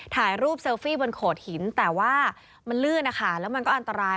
ถ่ายรูปเซลฟี่บนโขดหินแต่ว่ามันลื่นนะคะแล้วมันก็อันตราย